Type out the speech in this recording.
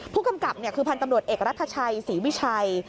ผู้กำกับคือพันธ์ตำรวจเอกรัฐชัยศรีวิชัย